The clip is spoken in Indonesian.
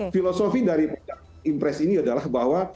filosofi daripada impres ini adalah bahwa